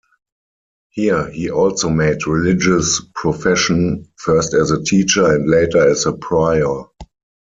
Here he also made religious profession, first as a teacher and later as prior.